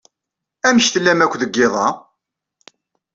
Amek tellam akk deg yiḍ-a?